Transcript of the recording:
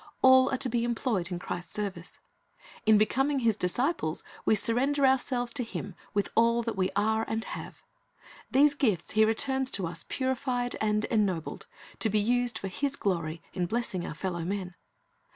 All are to be employed in Christ's service. In becoming His disciples, we surrender ourselves to Him with all that we are and have. These gifts He returns to us purified and ennobled, to be used for His glory in blessing our fellow men.